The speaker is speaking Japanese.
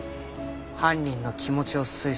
犯人の気持ちを推測して。